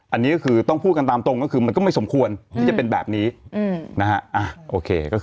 อันนี้ก็คือต้องพูดกันตามตรงก็คือมันก็ไม่สมควรที่จะเป็นแบบนี้นะฮะ